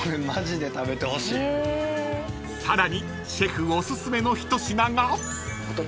［さらにシェフおすすめの一品が］出た！